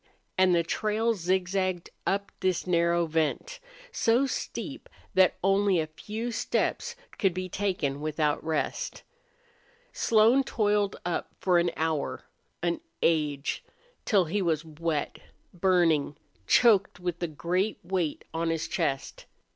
And the trail zigzagged up this narrow vent, so steep that only a few steps could be taken without rest. Slone toiled up for an hour an age till he was wet, burning, choked, with a great weight on his chest.